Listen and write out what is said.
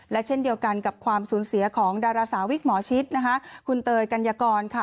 และเช่นเดียวกันกับความสูญเสียของดาราสาวิกหมอชิดนะคะคุณเตยกัญญากรค่ะ